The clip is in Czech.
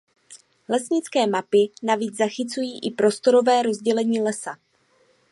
Lesnické mapy navíc zachycují i prostorové rozdělení lesa.